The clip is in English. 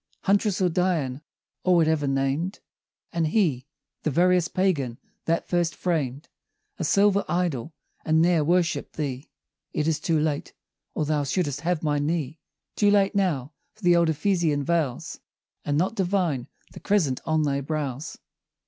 Huntress, or Dian, or whatever named; And he, the veriest Pagan, that first framed A silver idol, and ne'er worshipp'd thee! It is too late or thou should'st have my knee Too late now for the old Ephesian vows, And not divine the crescent on thy brows!